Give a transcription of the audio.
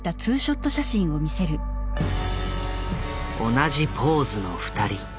同じポーズの２人。